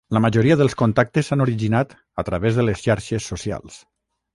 La majoria dels contactes s’han originat a través de les xarxes socials.